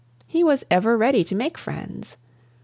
He was ever ready to make friends.